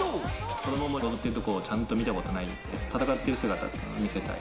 子どもは踊っているところ、ちゃんと見たことないんで、闘っている姿っていうのを見せたい。